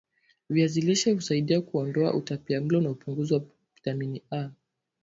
viazi lishe husaidia kuondoa utapiamlo na upungufu wa vitamini A